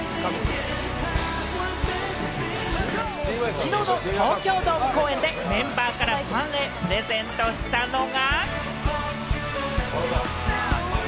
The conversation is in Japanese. きのうの東京ドーム公演でメンバーからファンへプレゼントしたのが。